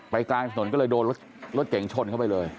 กลางถนนก็เลยโดนรถเก่งชนเข้าไปเลย